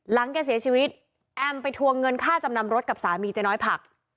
แกเสียชีวิตแอมไปทวงเงินค่าจำนำรถกับสามีเจ๊น้อยผัก